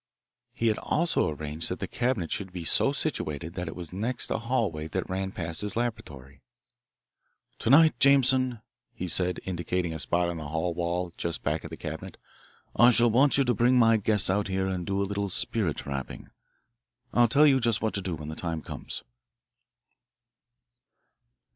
He had also arranged that the cabinet should be so situated that it was next a hallway that ran past his laboratory. "To night, Jameson," he said, indicating a spot on the hall wall just back of the cabinet, "I shall want you to bring my guests out here and do a little spirit rapping I'll tell you just what to do when the time comes."